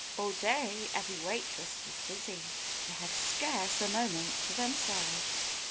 All day every waitress was busy. They had scarce a moment to themselves.